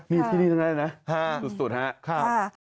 มีที่นี่ตรงไหนนะสุดครับ